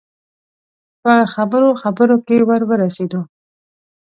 په خبرو خبرو کې ور ورسېدو.